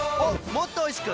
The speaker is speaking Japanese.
もっとおいしく！